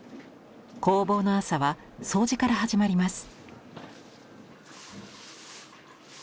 工房の朝は掃除から始まります。